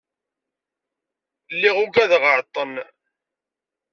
Lliɣ ugdeɣ εṭen.